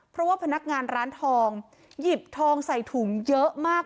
เพราะว่าพนักงานร้านทองหยิบทองใส่ถุงเยอะมาก